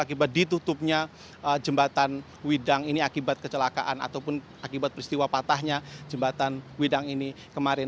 akibat ditutupnya jembatan widang ini akibat kecelakaan ataupun akibat peristiwa patahnya jembatan widang ini kemarin